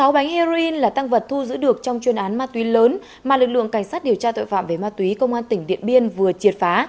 sáu bánh heroin là tăng vật thu giữ được trong chuyên án ma túy lớn mà lực lượng cảnh sát điều tra tội phạm về ma túy công an tỉnh điện biên vừa triệt phá